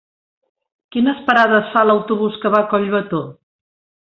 Quines parades fa l'autobús que va a Collbató?